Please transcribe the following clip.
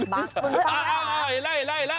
บังอ่ะ